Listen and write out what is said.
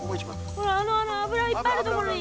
ほらあの油がいっぱいある所に。